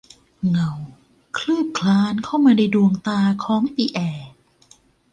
เงาคลืบคลานเข้ามาในดวงตาของปิแอร์